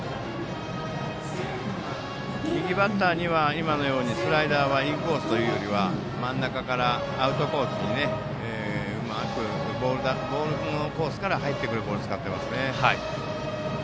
右バッターにはスライダーはインコースよりは真ん中からアウトコースにうまくボールのコースから入ってくるボールを使っています。